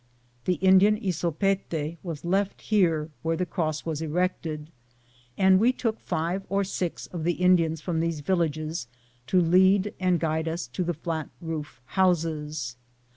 The Indian Isopete was left here where the cross was erected, and we took five or six of the Indians from these villages to lead and guide us to the flat roof houses.'